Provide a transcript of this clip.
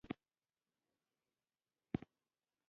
هندي صنعتونه له منځه لاړل.